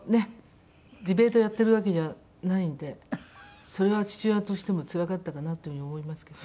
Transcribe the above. ディベートやってるわけじゃないんでそれは父親としてもつらかったかなという風に思いますけど。